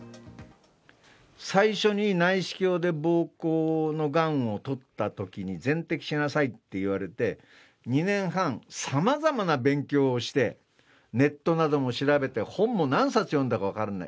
最初に内視鏡でぼうこうのがんを取ったときに、全摘しなさいって言われて、２年半、さまざまな勉強をして、ネットなども調べて、本も何冊読んだか分からない。